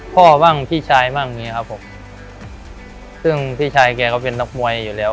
พ่อบ้างพี่ชายบ้างอย่างงี้ครับผมซึ่งพี่ชายแกก็เป็นนักมวยอยู่แล้ว